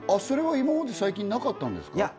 それは今まで最近なかったんですか？